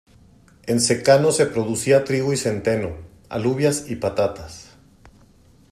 En secano se producía trigo y centeno, alubias y patatas.